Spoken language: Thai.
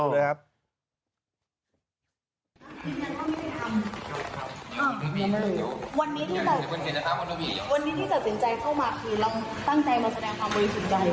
วันนี้ที่ตัดสินใจเข้ามาคือเราตั้งใจมาแสดงความบริสุทธิ์ใจ